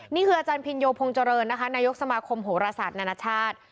นี่คืออาจารย์พินโยพงเจริญนะคะนายกสมาคมโหรศาสตร์นานาชาติ